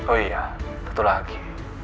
oh iya satu lagi